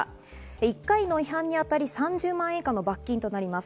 １回の違反に当たり３０万円以下の罰金となります。